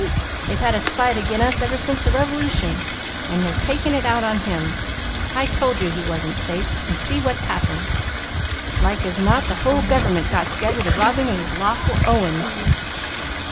They've had a spite agin us ever since the Revolution, an' they're takin' it out on him. I told you he wasn't safe, an' see what's happened! Like as not, the whole gover'ment's got together to rob him of his lawful ownin's."